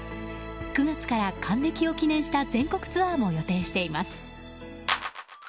９月から、還暦を記念した全国ツアーも予定しています。